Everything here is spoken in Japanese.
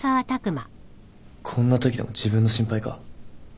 こんなときでも自分の心配か？